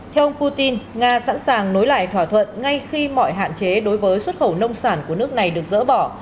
theo ông putin nga sẵn sàng nối lại thỏa thuận ngay khi mọi hạn chế đối với xuất khẩu nông sản của nước này được dỡ bỏ